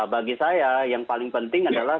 bagi saya yang paling penting adalah